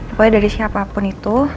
apalagi dari siapapun itu